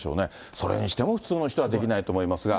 それにしても普通の人はできないと思いますが。